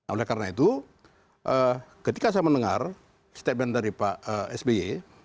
oleh karena itu ketika saya mendengar statement dari pak sby